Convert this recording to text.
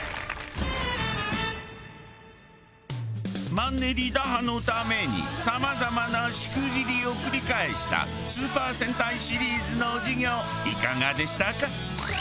マンネリ打破のために様々なしくじりを繰り返したスーパー戦隊シリーズの授業いかがでしたか？